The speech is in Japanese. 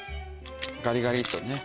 ガリガリっとね。